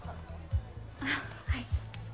ああはい。